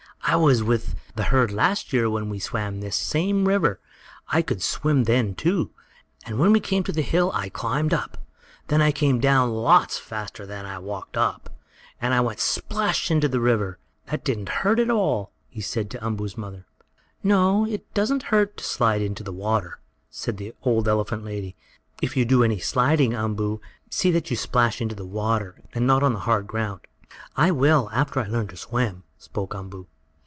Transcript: I was with the herd last year when we swam this same river. I could swim then, too, and when we came to the hill I climbed up. Then I came down lots faster than I walked up, and I went splash into the river. That didn't hurt at all," he said to Umboo's mother. "No, it doesn't hurt to slide into the water," said the old elephant lady. "If you do any sliding, Umboo, see that you splash into the water, and not on the hard ground." "I will, after I learn to swim," spoke Umboo.